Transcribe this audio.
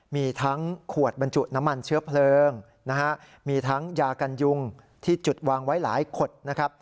มีทั้งขวดบรรจุน้ำมันเชื้อเพลิงนะฮะมีทั้งยากันยุงที่จุดวางไว้หลายขดนะครับ